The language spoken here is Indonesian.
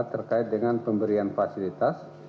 terkait dengan pemberian fasilitas